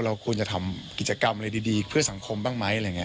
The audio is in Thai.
เราควรจะทำกิจกรรมอะไรดีเพื่อสังคมบ้างไหม